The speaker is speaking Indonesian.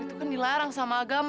itu kan dilarang sama agama